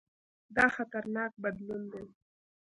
دا خطرناک بدلون دی.